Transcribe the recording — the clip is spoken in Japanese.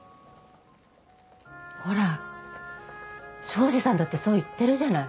ほら庄司さんだってそう言ってるじゃない。